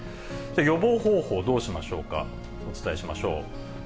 予防方法、どうしましょうか、お伝えしましょう。